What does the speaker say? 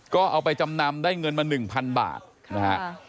ก็เอาไปจำนำได้เงินมา๑๐๐บาทนะฮะ